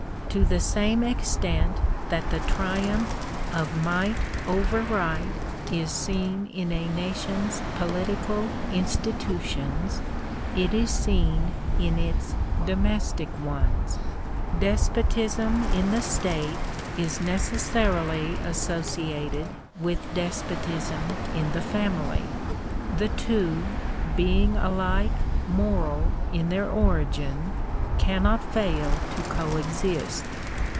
To the same extent that the triumph of might over right is seen in a nation's political institutions, it is seen in its domestic ones. Despotism in the state is neces sarily associated with despotism in the family. The two being alike moral in their origin, cannot fail to co exist.